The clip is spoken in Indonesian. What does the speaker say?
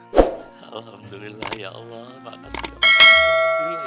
alhamdulillah ya allah makasih ya allah